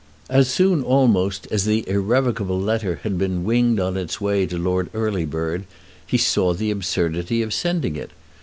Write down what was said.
As soon almost as the irrevocable letter had been winged on its way to Lord Earlybird, he saw the absurdity of sending it.